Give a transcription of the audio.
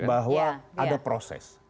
bahwa ada proses